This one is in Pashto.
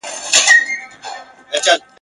په میندلو د ډوډۍ چي سرګردان سو ..